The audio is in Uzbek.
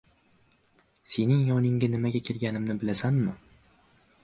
– Sening yoningga nimaga kelganimni bilasanmi?